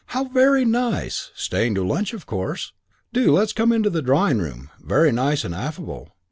How very nice! Staying to lunch, of course? Do let's come into the drawing room.' Very nice and affable.